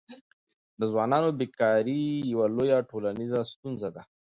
د ځوانانو بېکاري یوه لویه ټولنیزه ستونزه ده.